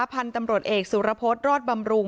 พันธุ์ตำรวจเอกสุรพฤษรอดบำรุง